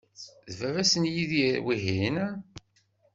D baba-s n Yidir, wihin?